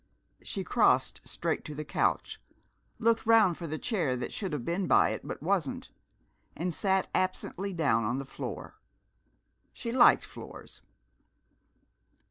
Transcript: She crossed straight to the couch, looked around for the chair that should have been by it but wasn't, and sat absently down on the floor. She liked floors.